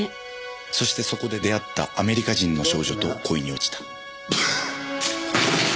そしてそこで出会ったアメリカ人の少女と恋に落ちた。